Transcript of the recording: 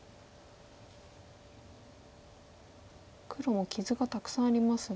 黒も傷がたくさんありますが。